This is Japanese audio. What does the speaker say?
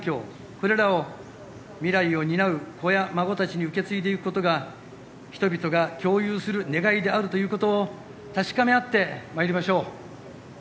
これらを未来を担う子や孫達に受け継いでいくことが人々が共有する願いであるということを確かめ合ってまいりましょう。